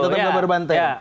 tetap gabar banteng